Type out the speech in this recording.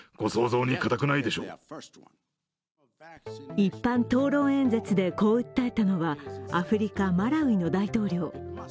一般討論演説でこう訴えたのはアフリカ・マラウイの大統領。